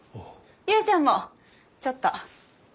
ユーちゃんもちょっと。